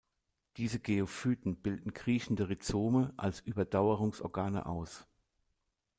Diese Geophyten bilden kriechende Rhizome als Überdauerungsorgane aus.